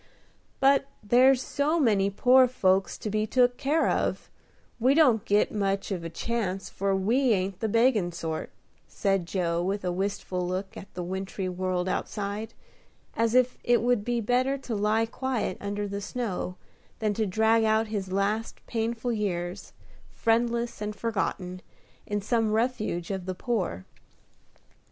But there's so many poor folks to be took care of, we don't get much of a chance, for we ain't the beggin' sort," said Joe, with a wistful look at the wintry world outside, as if it would be better to lie quiet under the snow, than to drag out his last painful years, friendless and forgotten, in some refuge of the poor.